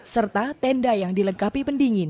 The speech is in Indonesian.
serta tenda yang dilengkapi pendingin